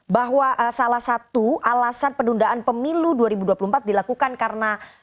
bahwa salah satu alasan penundaan pemilu dua ribu dua puluh empat dilakukan karena